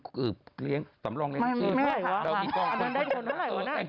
หึ่มเลี้ยงสำเร็งเลี้ยง